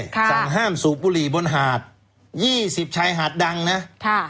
สั่งห้ามสูบบุหรี่บนหาดยี่สิบชายหาดดังนะค่ะ